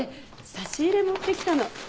差し入れ持ってきたの。